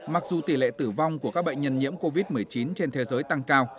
mặc dù tỷ lệ tử vong của các bệnh nhân nhiễm covid một mươi chín trên thế giới tăng cao